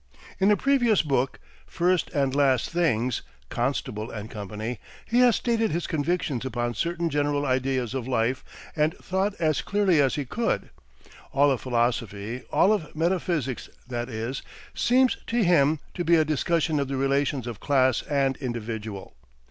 In a previous book, "First and Last Things" (Constable and Co.), he has stated his convictions upon certain general ideas of life and thought as clearly as he could. All of philosophy, all of metaphysics that is, seems to him to be a discussion of the relations of class and individual.